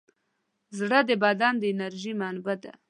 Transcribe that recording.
زړه د بدن د انرژۍ منبع ده.